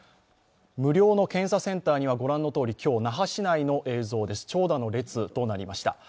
無料の検査センターには御覧のとおり、今日那覇市内の映像です、長蛇の列となりました。